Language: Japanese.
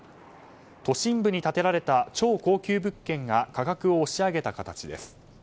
都心部に建てられた超高級物件が価格を押し上げた形です。